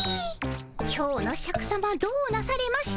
今日のシャクさまどうなされました？